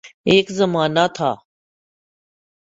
ایک زمانہ تھا